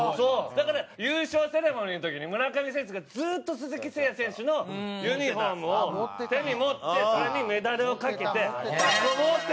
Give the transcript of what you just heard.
だから優勝セレモニーの時に村上選手がずっと鈴木誠也選手のユニフォームを手に持ってそれにメダルをかけてこう持ってるんですよ。